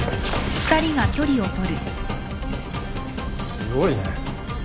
すごいね。